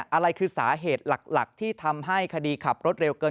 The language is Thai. อะไรคือสาเหตุหลักที่ทำให้คดีขับรถเร็วเกิน